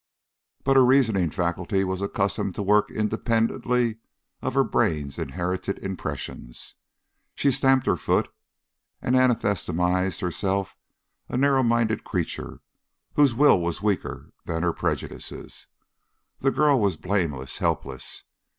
But her reasoning faculty was accustomed to work independently of her brain's inherited impressions. She stamped her foot and anathematized herself for a narrow minded creature whose will was weaker than her prejudices. The girl was blameless, helpless.